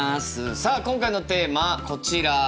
さあ今回のテーマはこちら。